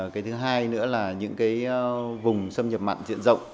cái thứ hai nữa là những cái vùng xâm nhập mặn diện rộng